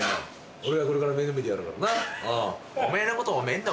俺がこれから面倒見てやるからな。